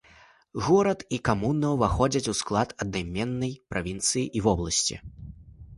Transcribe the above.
Горад і камуна ўваходзяць у склад аднайменнай правінцыі і вобласці.